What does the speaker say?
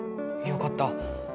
よかった。